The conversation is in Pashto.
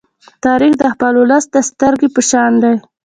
تاریخ د خپل ولس د سترگې په شان دی.